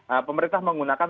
eee pemerintah menggunakan